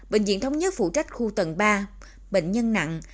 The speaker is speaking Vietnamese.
bệnh viện thống nhất phụ trách khu tầng ba bệnh nhân nặng